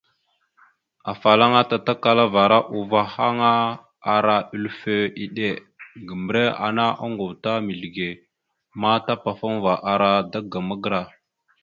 Afalaŋana tatakalavara uvah a ara hœləfe iɗena mbəriɗe ongov mizləge ma tapafaŋva ara daga magəra.